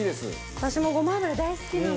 私もごま油大好きなんですよ。